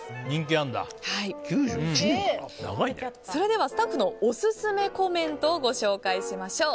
それではスタッフのオススメコメントをご紹介しましょう。